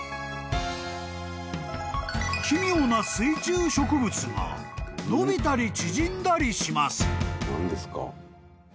「奇妙な水中植物が伸びたり縮んだりします」